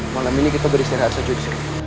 malam ini kita beristirahat saja disini